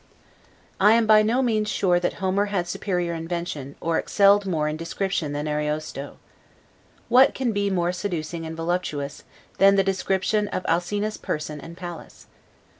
I am by no means sure that Homer had superior invention, or excelled more in description than Ariosto. What can be more seducing and voluptuous, than the description of Alcina's person and palace?